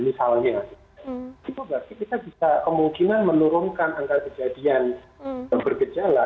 itu berarti kita bisa kemungkinan menurunkan angka kejadian yang bergejala